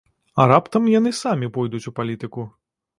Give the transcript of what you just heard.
А раптам яны самі пойдуць у палітыку?